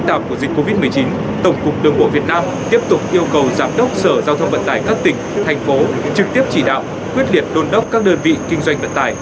trực tiếp chỉ đạo quyết liệt đôn đốc các đơn vị kinh doanh vận tải